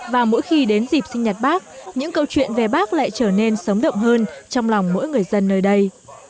và mỗi khi đến dịp sinh nhật bác những câu chuyện về bác lại trở nên sống động hơn trong lòng mỗi người dân nơi đây